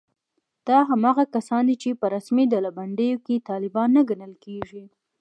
دا هماغه کسان دي چې په رسمي ډلبندیو کې طالبان نه ګڼل کېږي